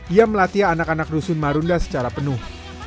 ia melatih anak anak rusun marunda secara penuh